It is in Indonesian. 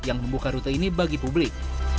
yang membuka rute ini bagi publik